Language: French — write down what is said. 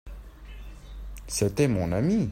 C’était mon ami.